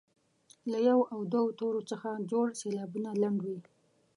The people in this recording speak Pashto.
له یو او دوو تورو څخه جوړ سېلابونه لنډ وي.